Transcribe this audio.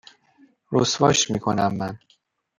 رسواش میکنم من